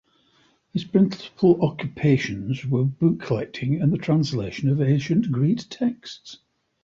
His principal occupations were book collecting and the translation of Ancient Greek texts.